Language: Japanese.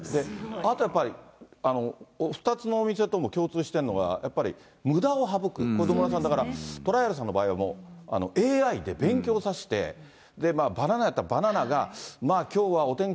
あとやっぱり、お２つのお店とも共通してるのが、やっぱりむだを省く、これ、だからトライアルさんの場合も、ＡＩで勉強させて、バナナやったらバナナが、まあ、きょうはお天気